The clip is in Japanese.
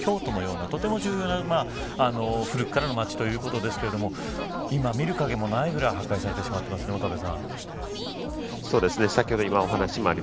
ウクライナの方はロシアから見たら日本における京都のような、とても重要な古くからの街ということですが今は、見る影もないぐらい破壊されてしまっていますね、岡部さん。